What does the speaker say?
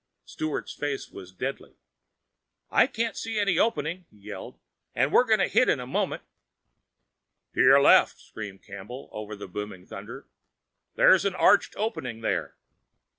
Sturt's face was deathly. "I don't see any opening!" he yelled. "And we're going to hit in a moment!" "To your left!" screamed Inspector Campbell over the booming thunder. "There's an arched opening there."